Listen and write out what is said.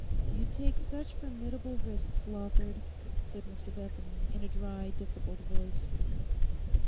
'You take such formidable risks, Lawford,' said Mr Bethany in a dry, difficult voice.